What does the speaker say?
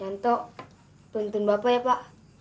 nanti tuntun bapak ya pak